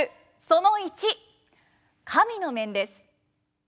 その１神の面です。